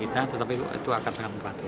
tetapi itu akan sangat membantu